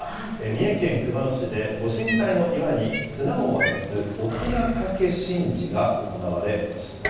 三重県熊野市でご神体の岩に綱を渡す、お綱かけ神事が行われました。